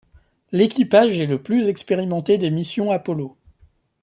L'équipage est le plus expérimenté des missions Apollo.